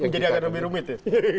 jadi agak lebih rumit ya